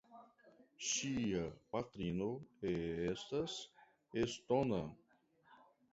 Ŝia patrino estas estona.